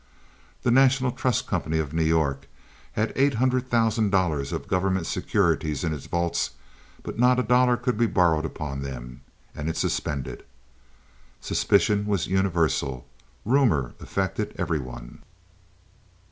The National Trust Company of New York had eight hundred thousand dollars of government securities in its vaults, but not a dollar could be borrowed upon them; and it suspended. Suspicion was universal, rumor affected every one.